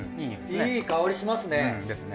いい香りしますね。ですね。